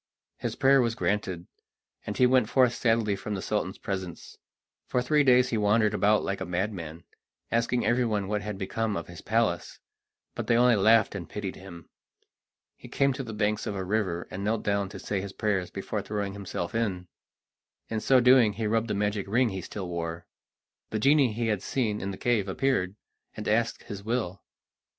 His prayer was granted, and he went forth sadly from the Sultan's presence. For three days he wandered about like a madman, asking everyone what had become of his palace, but they only laughed and pitied him. He came to the banks of a river, and knelt down to say his prayers before throwing himself in. In so doing he rubbed the magic ring he still wore. The genie he had seen in the cave appeared, and asked his will.